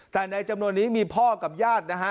แต่ในจำนวนนี้มีพ่อกับญาตินะฮะ